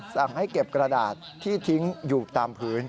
สั่งให้เก็บกระดาษที่ทิ้งอยู่ตามพื้น